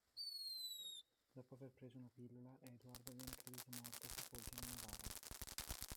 Dopo aver preso una pillola, Edward viene creduto morto e sepolto in una bara.